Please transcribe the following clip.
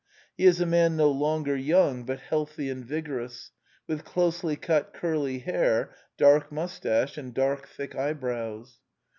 '' He is a man no longer young, but healthy and vigorous, with closely cut curly hair, dark moustache, and dark thick eyebrows."